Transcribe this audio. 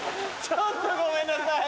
ちょっとごめんなさい。